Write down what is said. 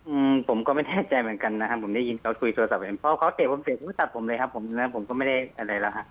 อืมผมก็ไม่แน่ใจเหมือนกันนะครับผมได้ยินเขาคุยโทรศัพท์กันพอเขาเตะผมเสร็จผมก็ตัดผมเลยครับผมแล้วผมก็ไม่ได้อะไรแล้วฮะ